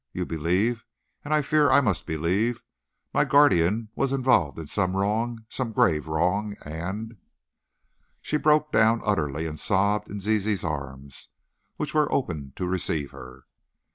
You believe, and I fear I must believe, my guardian was involved in some wrong, some grave wrong and " She broke down utterly and sobbed in Zizi's arms which were opened to receive her.